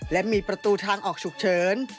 และมีประตูทางออกฉุกเฉิน